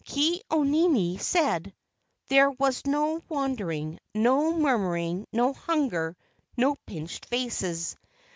Ke au nini said, "There was no wandering, no murmuring, no hunger, no pinched faces."